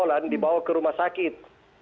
dan dibawa ke rumah sakit